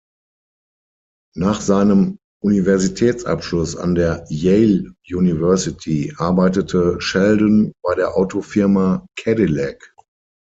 Nach seinem Universitätsabschluss an der Yale University arbeitete Sheldon bei der Autofirma Cadillac.